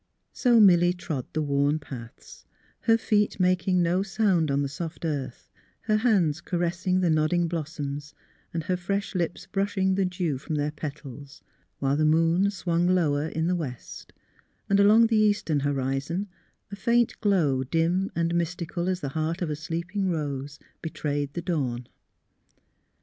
So Milly trod the worn paths, her feet making no sound on the soft earth, her hands caressing the nodding blossoms, her fresh lips brushing the dew from their petals, — while the moon swung lower in the west, and along the eastern horizon a faint glow, dim and mystical as the heart of a sleeping rose, betrayed the dawn.